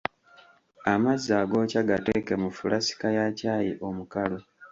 Amazzi agookya gateeke mu fulasika ya caayi omukalu.